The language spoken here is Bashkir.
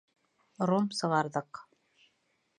Ром сығарҙыҡ.